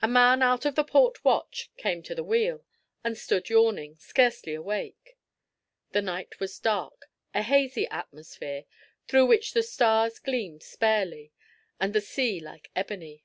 A man out of the port watch came to the wheel, and stood yawning, scarcely awake. The night was dark—a hazy atmosphere, through which the stars gleamed sparely, and the sea like ebony.